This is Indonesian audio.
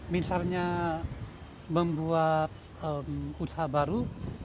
misalnya membuat usaha baru